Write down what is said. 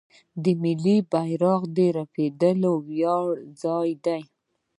د ملي بیرغ رپیدل د ویاړ ځای دی.